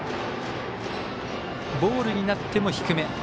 ボールになっても低め。